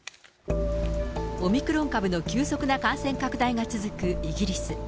オミクロン株の急速な感染拡大が続くイギリス。